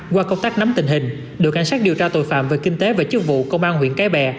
qua công tác nắm tình hình đội cảnh sát điều tra tội phạm về kinh tế và chức vụ công an huyện cái bè